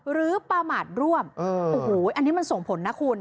หรือประมาทร่วมอันนี้มันส่งผลนะคุณ